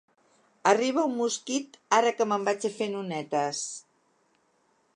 Arriba un mosquit ara que me'n vaig a fer nonetes.